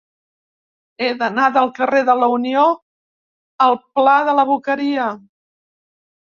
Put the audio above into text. He d'anar del carrer de la Unió al pla de la Boqueria.